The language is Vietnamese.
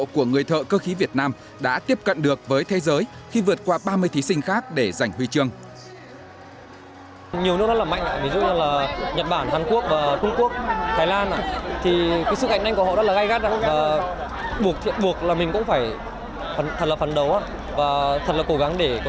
của người thợ cơ khí việt nam đã tiếp cận được với thế giới khi vượt qua ba mươi thí sinh khác để giành huy chương